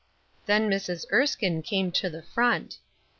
Then Mrs. Erskine came to the front.